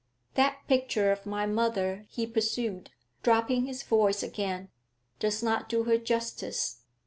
'That picture of my mother,' he pursued, dropping his voice again, 'does not do her justice.